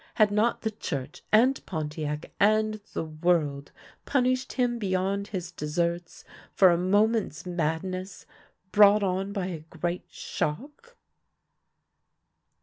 Had not the Church and Pontiac and the world punished him beyond his deserts for a moment's madness brought on by a great shock